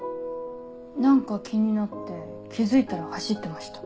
何か気になって気付いたら走ってました。